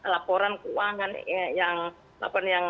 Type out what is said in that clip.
laporan keuangan yang